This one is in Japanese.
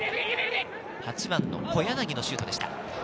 ８番の小柳のシュートでした。